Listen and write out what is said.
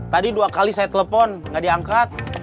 tadi dua kali saya telepon nggak diangkat